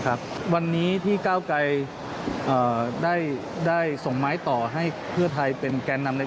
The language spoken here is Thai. ครับวันนี้ที่ก้าวไกรได้ได้ส่งไม้ต่อให้เพื่อไทยเป็นแก่นำใน